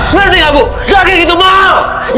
ngerti gak bu gagik itu mahal